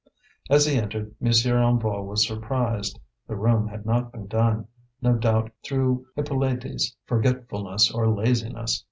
As he entered, M. Hennebeau was surprised: the room had not been done, no doubt through Hippolyte's forgetfulness or laziness.